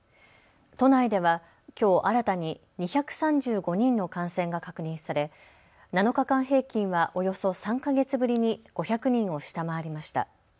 都内ではきょう新たに２３５人の感染が確認され７日間平均はおよそ３か月ぶりに５００人を下回りました。